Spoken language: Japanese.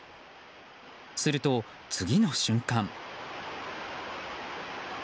すると次の瞬間。